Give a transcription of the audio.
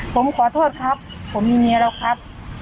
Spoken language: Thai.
ผมขอโทษครับผมมีเมียแล้วครับ